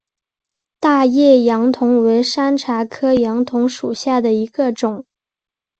大叶杨桐为山茶科杨桐属下的一个种。